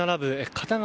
片側